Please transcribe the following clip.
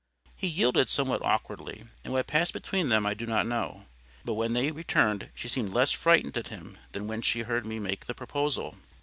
He yielded somewhat awkwardly, and what passed between them I do not know. But when they returned, she seemed less frightened at him than when she heard me make the proposal.